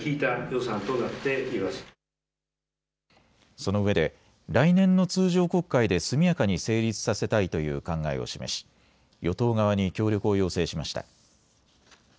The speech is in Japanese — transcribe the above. そのうえで来年の通常国会で速やかに成立させたいという考えを示し与党側に協力を要請しました。